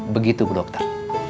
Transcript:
begitu bu dokter